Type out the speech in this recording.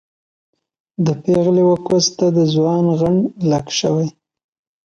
د پېغلې و کوس ته د ځوان غڼ لک شوی